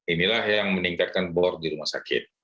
inilah yang meningkatkan bor di rumah sakit